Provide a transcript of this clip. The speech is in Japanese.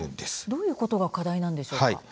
どういうことが課題なんでしょうか？